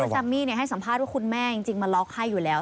แซมมี่ให้สัมภาษณ์ว่าคุณแม่จริงมาล็อกให้อยู่แล้ว